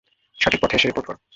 সঠিক পথে এসে রিপোর্ট করো।